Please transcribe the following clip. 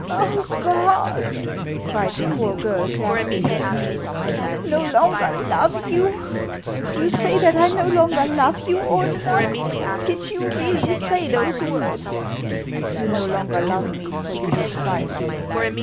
" Oh, God !" cried the poor girl, clasping his knees. " N"o longer love you ! You say that I no longer love yon, Ordener I Did you really say those words?" " You no longer love me, for you despise me."